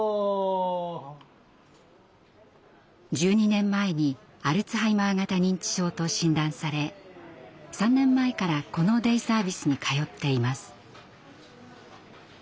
１２年前にアルツハイマー型認知症と診断され３年前からこのデイサービスに通っています。